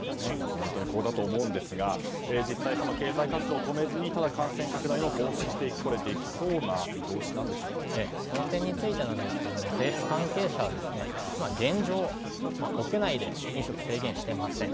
本当にそうだと思うんですが実際、経済活動を止めずに感染拡大を防止していくことはその点についてなんですが政府関係者は現状、屋内で飲食を制限していません。